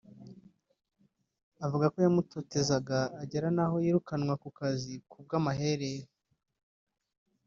avuga ko yamutotezaga agera n’aho yirukannwa ku kazi ku bw’amaherere